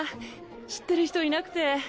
知ってる人いなくて。